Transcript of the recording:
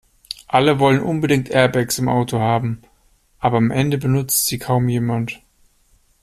Alle wollen unbedingt Airbags im Auto haben, aber am Ende benutzt sie kaum jemand.